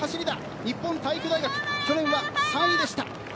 日本体育大学去年は３位でした。